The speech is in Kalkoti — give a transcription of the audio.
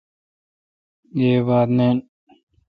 گیب بات نین۔